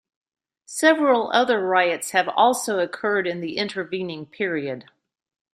Several other riots have also occurred in the intervening period.